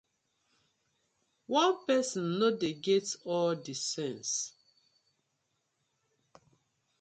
One pesin no dey get all the sence.